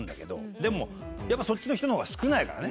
でもやっぱそっちの人の方が少ないからね。